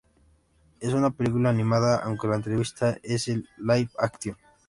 Es una película animada aunque la entrevista es en Live-Action.